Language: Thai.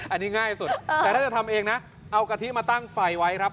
อันนี้ง่ายสุดแต่ถ้าจะทำเองนะเอากะทิมาตั้งไฟไว้ครับ